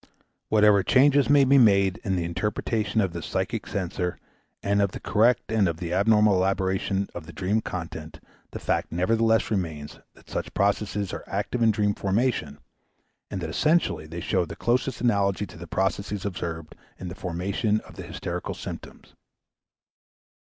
Whatever changes may be made in the interpretation of the psychic censor and of the correct and of the abnormal elaboration of the dream content, the fact nevertheless remains that such processes are active in dream formation, and that essentially they show the closest analogy to the processes observed in the formation of the hysterical symptoms.